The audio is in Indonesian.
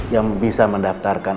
yang bisa mendaftarkan